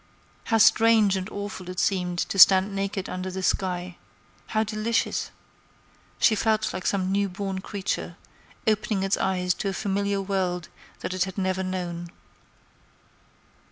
How strange and awful it seemed to stand naked under the sky! how delicious! She felt like some new born creature, opening its eyes in a familiar world that it had never known.